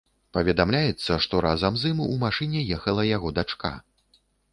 Паведамляецца, што разам з ім у машыне ехала яго дачка.